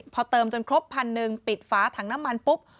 พอเติมจนครบพันหนึ่งปิดฝาถังน้ำมันปุ๊บ